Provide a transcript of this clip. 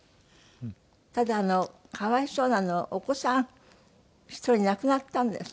ただ可哀想なのはお子さん１人亡くなったんですって？